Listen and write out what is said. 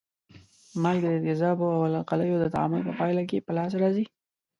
مالګې د تیزابو او القلیو د تعامل په پایله کې په لاس راځي.